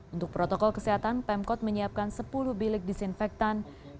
untuk protokol kesehatan pemkot menyiapkan sepuluh bilik disinfektan